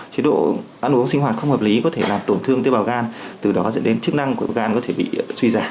chế độ ăn uống sinh hoạt không hợp lý có thể làm tổn thương bào gan từ đó dẫn đến chức năng của các gan có thể bị suy giảm